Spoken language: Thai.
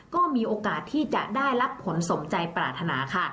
ก็มีโอกาสที่จะได้รับผลสมใจปรารถนาค่ะ